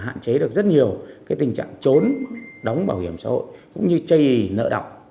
hạn chế được rất nhiều tình trạng trốn đóng bảo hiểm xã hội cũng như chây nợ đọc